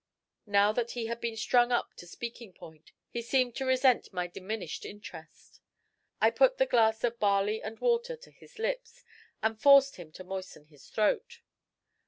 Now that he had been strung up to speaking point, he seemed to resent my diminished interest. I put the glass of barley and water to his lips, and forced him to moisten his throat.